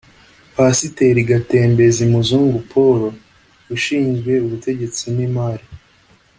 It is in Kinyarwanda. Pasiteri Gatemberezi Muzungu Paul; Ushinzwe ubutegetsi n’imari